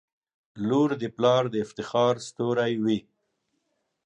• لور د پلار د افتخار ستوری وي.